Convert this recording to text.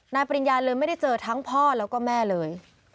ปริญญาเลยไม่ได้เจอทั้งพ่อแล้วก็แม่เลย